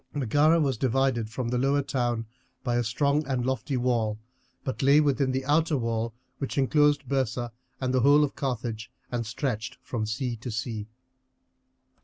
Megara was divided from the lower town by a strong and lofty wall, but lay within the outer wall which inclosed Byrsa and the whole of Carthage and stretched from sea to sea.